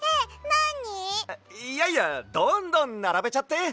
いやいやどんどんならべちゃって！